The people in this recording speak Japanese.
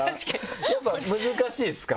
やっぱ難しいですか？